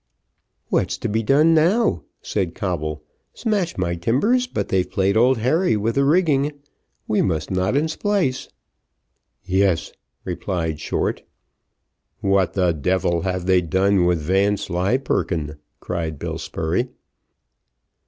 "What's to be done now?" said Coble. "Smash my timbers, but they've played old Harry with the rigging. We must knot and splice." "Yes," replied Short. "What the devil have they done with Vanslyperken?" cried Bill Spurey.